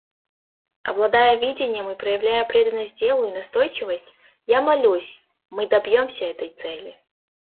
Обладая видением и проявляя преданность делу и настойчивость, я молюсь, мы добьемся этой цели.